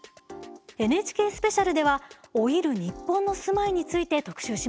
「ＮＨＫスペシャル」では老いる日本の住まいについて特集します。